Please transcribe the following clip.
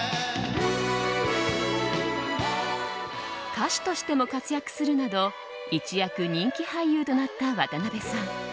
歌手としても活躍するなど一躍人気俳優となった渡辺さん。